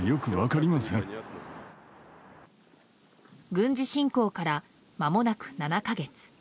軍事侵攻から、まもなく７か月。